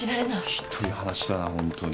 ひどい話だなホントに。